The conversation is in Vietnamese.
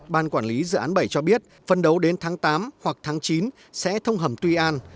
ban quản lý dự án bảy cho biết phần đấu đến tháng tám hoặc tháng chín sẽ thông hầm tuy an